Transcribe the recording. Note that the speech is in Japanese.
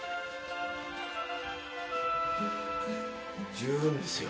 十分ですか？